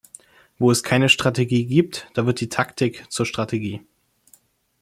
Wo es keine Strategie gibt, da wird die Taktik zur Strategie.